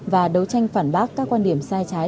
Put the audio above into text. và đấu tranh phản bác các quan điểm sai trái